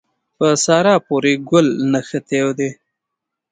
په سارا پورې ګل مښتی دی.